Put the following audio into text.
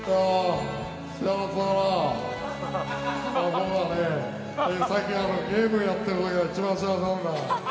僕はね、最近ゲームやってる時が一番幸せなんだ。